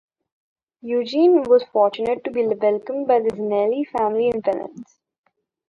Eugene was fortunate to be welcomed by the Zinelli family in Venice.